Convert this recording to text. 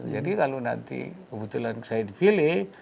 jadi kalau nanti kebetulan saya di pilih